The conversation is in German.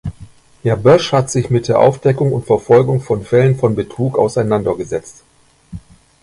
Herr Bösch hat sich mit der Aufdeckung und Verfolgung von Fällen von Betrug auseinandergesetzt.